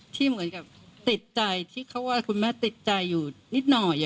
ที่เหมือนกับติดใจที่เขาว่าคุณแม่ติดใจอยู่นิดหน่อย